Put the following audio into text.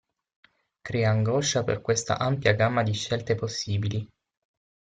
Crea angoscia per questa ampia gamma di scelte possibili.